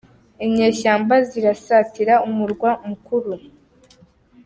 Inyeshyamba zirasatira umurwa mukuru